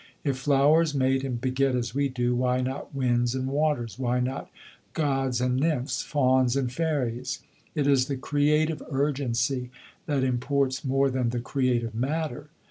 If flowers mate and beget as we do, why not winds and waters, why not gods and nymphs, fauns and fairies? It is the creative urgency that imports more than the creative matter.